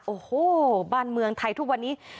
โอ้โหบ้านเมืองไทยทุกวันนี้